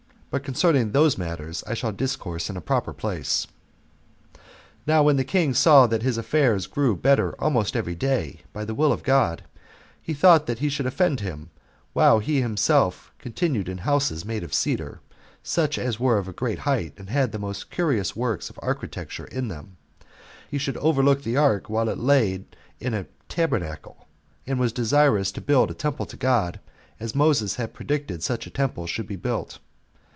But concerning those matters I shall discourse in a proper place. 4. Now when the king saw that his affairs grew better almost every day, by the will of God, he thought he should offend him, if, while he himself continued in houses made of cedar, such as were of a great height, and had the most curious works of architecture in them, he should overlook the ark while it was laid in a tabernacle, and was desirous to build a temple to God, as Moses had predicted such a temple should be built.